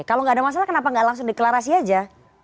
kalau nggak ada masalah kenapa nggak langsung deklarasi aja